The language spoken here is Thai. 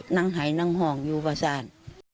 หายนั่งห่องอยู่ประสาน